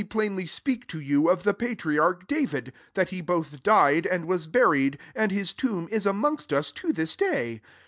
plainly speak to you of the pa triarch David, that he both died and was buried, and his tomb is amongst us to this day.